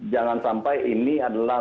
jangan sampai ini adalah